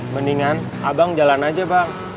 mendingan abang jalan aja bang